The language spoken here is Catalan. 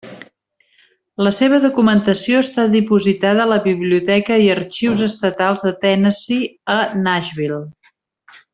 La seva documentació està dipositada a la Biblioteca i arxius estatals de Tennessee a Nashville.